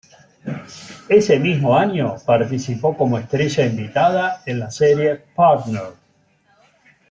Ese mismo año participó como estrella invitada en la serie "Partners".